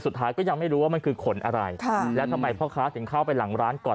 สุดท้ายก็ยังไม่รู้ว่ามันคือขนอะไรค่ะแล้วทำไมพ่อค้าถึงเข้าไปหลังร้านก่อน